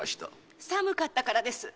〔寒かったからです〕